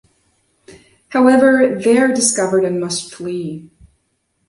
However, they are discovered and must flee.